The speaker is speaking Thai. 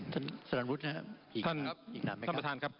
ท่านสรรพุทธนะครับอีกครั้งไหมครับท่านประธานครับ